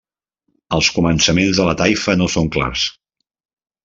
Els començaments de la taifa no són clars.